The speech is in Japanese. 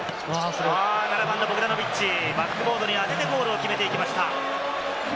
７番のボグダノビッチ、バックボードに当てて決めていきました。